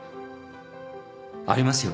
ありますよ。